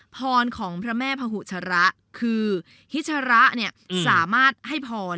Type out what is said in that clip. พรของพระแม่พหุชระคือฮิชระเนี่ยสามารถให้พร